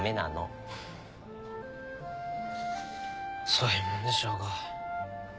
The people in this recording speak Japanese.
そういうもんでしょうか。